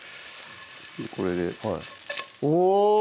これでおぉ！